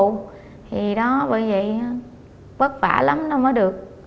thì đó bởi vậy vất vả lắm nó mới được